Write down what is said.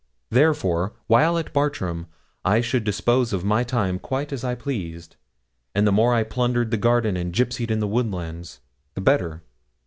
Therefore, while at Bartram, I should dispose of my time quite as I pleased, and the more I plundered the garden and gipsied in the woodlands, the better.